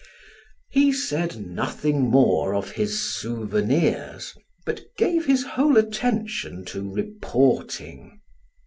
He said nothing more of his "souvenirs," but gave his whole attention to reporting.